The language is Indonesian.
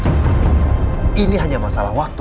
jangan pernah ngerasa kayak gitu